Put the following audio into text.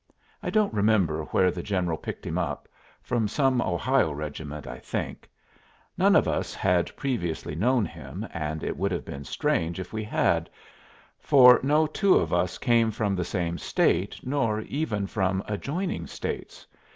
I don't remember where the general picked him up; from some Ohio regiment, I think; none of us had previously known him, and it would have been strange if we had, for no two of us came from the same State, nor even from adjoining States.